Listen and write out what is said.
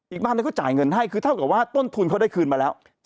อีกบ้านหนึ่งเขาจ่ายเงินให้คือเท่ากับว่าต้นทุนเขาได้คืนมาแล้ว